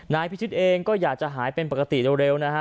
นายพิชิตเองก็อยากจะหายเป็นปกติเร็วนะฮะ